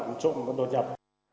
trộm và đột nhập